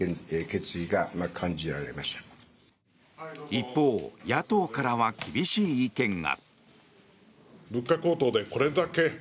一方、野党からは厳しい意見が。